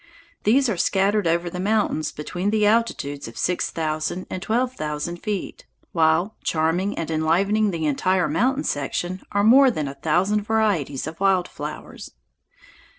These are scattered over the mountains between the altitudes of six thousand and twelve thousand feet, while, charming and enlivening the entire mountain section, are more than a thousand varieties of wild flowers.